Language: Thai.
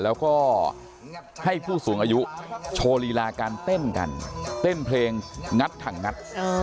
แล้วก็ให้ผู้สูงอายุโชว์ลีลาการเต้นกันเต้นเพลงงัดถังงัด